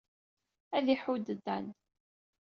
Ad iḥudd Dan.